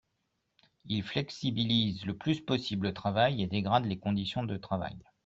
Il flexibilise le plus possible le travail et dégrade les conditions de travail.